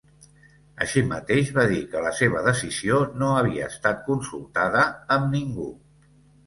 Així mateix va dir que la seva decisió no havia estat consultada amb ningú.